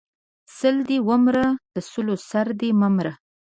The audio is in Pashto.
سل دې و مره، د سلو سر دې مه مره!